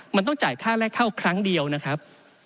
มันต้องจ่ายค่าแรกเข้าครั้งเดียวนะครับ